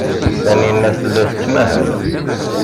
Taninna tella tettmahal.